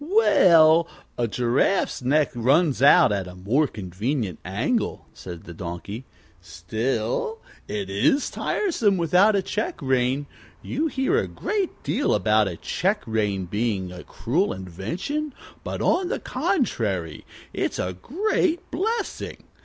"Well, a giraffe's neck runs out at a more convenient angle," said the Donkey. "Still, it is tiresome without a check rein. You hear a great deal about a check rein being a cruel invention, but, on the contrary, it's a great blessing.